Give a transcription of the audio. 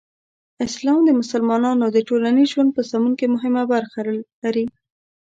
اسلام د مسلمانانو د ټولنیز ژوند په سمون کې مهمه برخه لري.